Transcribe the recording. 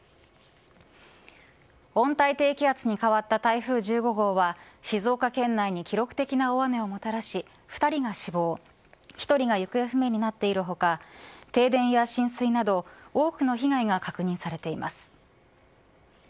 温帯低気圧に変わった台風１５号は静岡県内に記録的な大雨をもたらし２人が死亡１人が行方不明になっている他停電や浸水など多くの被害が確認されています。